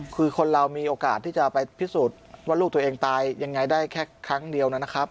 คือคนเรามีโอกาสที่จะไปพิสูจน์ว่าลูกตัวเองตายยังไงได้แค่ครั้งเดียวนะครับ